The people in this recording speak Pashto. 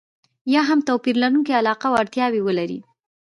یا هم توپير لرونکې علاقه او اړتياوې ولري.